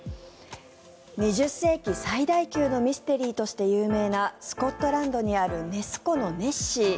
２０世紀最大級のミステリーとして有名なスコットランドにあるネス湖のネッシー。